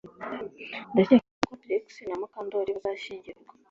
Ndakeka ko Trix na Mukandoli bazashyingirwa